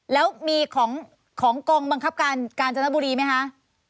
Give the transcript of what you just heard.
แล้วมีของกองบังคับการกาญจนบุรีไหมคะ